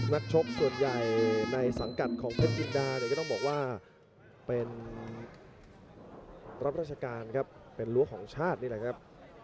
นักชกส่วนใหญ่ในสังกัดของเพชรจินดาเนี่ยก็ต้องบอกว่าเป็นรับราชการครับเป็นรั้วของชาตินี่แหละครับ